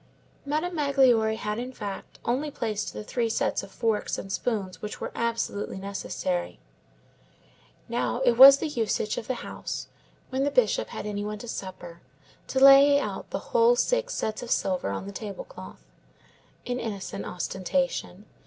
Madame Magloire had, in fact, only placed the three sets of forks and spoons which were absolutely necessary. Now, it was the usage of the house, when the Bishop had any one to supper, to lay out the whole six sets of silver on the table cloth—an innocent ostentation.